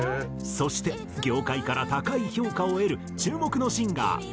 そして業界から高い評価を得る注目のシンガーちゃんみな。